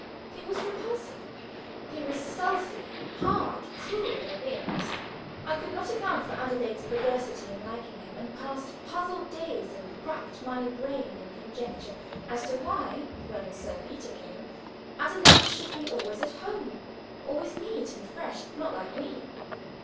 He was repulsive; he was stealthy, hard, cruel, in appearance. I could not account for Adelaide's perversity in liking him, and passed puzzled days and racked my brain in conjecture as to why when Sir Peter came Adelaide should be always at home, always neat and fresh not like me.